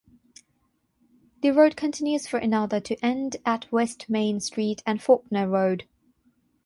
The road continues for another to end at West Main Street and Faulkner Road.